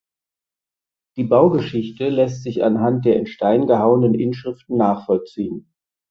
Die Baugeschichte lässt sich anhand der in Stein gehauenen Inschriften nachvollziehen.